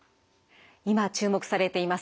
今注目されています